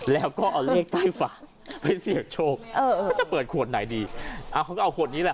แล้วก็เอาเลขใต้ฝากไปเสี่ยงโชคเออเขาจะเปิดขวดไหนดีเอาเขาก็เอาขวดนี้แหละ